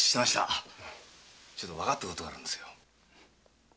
ちょっと判ったことがあるんですよ。